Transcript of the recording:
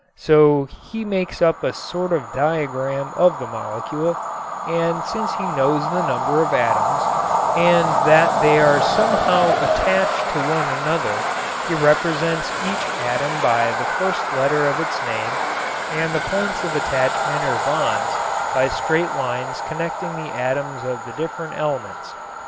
So he makes up a sort of diagram of the molecule, and since he knows the number of atoms and that they are somehow attached to one another, he represents each atom by the first letter of its name and the points of attachment or bonds by straight lines connecting the atoms of the different elements.